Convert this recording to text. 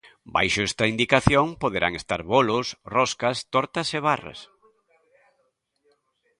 Baixo esta indicación poderán estar bolos, roscas, tortas e barras.